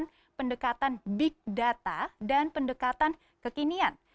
ini juga membutuhkan pendekatan big data dan pendekatan kekinian